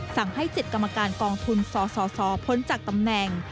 สั่งให้๗กรรมการกองทุนสสพ้นจากตำแหน่ง